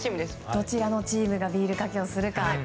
どちらのチームがビールかけをするか。